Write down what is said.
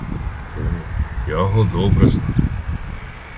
О, я го добре знаю!